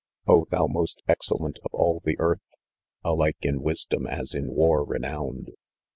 "Oh ! thou most excellent of all the earth, Alike in wisdom as in war renowned!